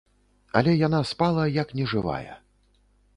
Але яна спала, як нежывая.